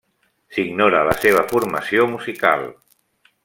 S'ignora la seva formació musical.